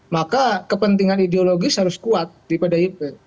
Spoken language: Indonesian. maka kepentingan ideologis harus kuat di pdip